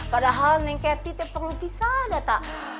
padahal neng keti itu perlu bisa